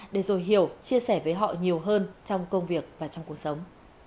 để rồi hiểu chia sẻ với họ nhiều hơn trong công việc và trong cuộc sống